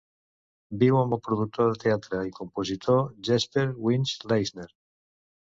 Viu amb el productor de teatre i compositor Jesper Winge Leisner.